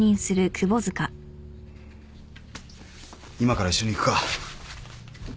今から一緒に行くか？